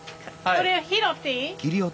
これ拾っていい？